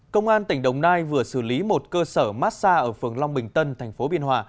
công an tỉnh đồng nai vừa xử lý một cơ sở massage ở phường long bình tân thành phố biên hòa